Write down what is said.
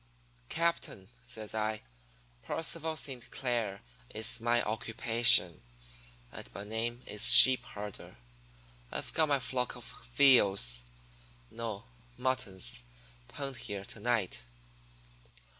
"'Captain,' says I, 'Percival Saint Clair is my occupation, and my name is sheep herder. I've got my flock of veals no, muttons penned here to night.